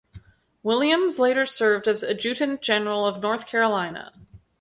Williams later served as adjutant general of North Carolina.